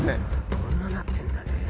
こんななってんだね。